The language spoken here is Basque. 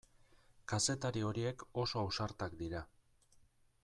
Kazetari horiek oso ausartak dira.